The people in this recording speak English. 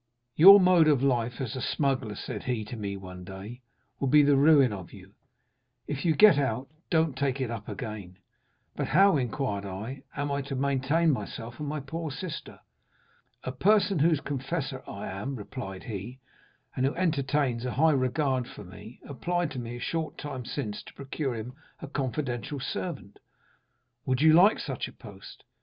"'Your mode of life as a smuggler,' said he to me one day, 'will be the ruin of you; if you get out, don't take it up again.' "'But how,' inquired I, 'am I to maintain myself and my poor sister?' "'A person, whose confessor I am,' replied he, 'and who entertains a high regard for me, applied to me a short time since to procure him a confidential servant. Would you like such a post?